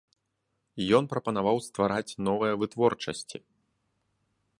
Ён прапанаваў ствараць новыя вытворчасці.